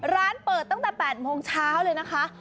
ร้านเปิดตั้งแต่๘โมงเช้าเลยนะคะ